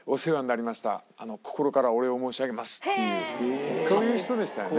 「心からお礼を申し上げます」っていうそういう人でしたよね。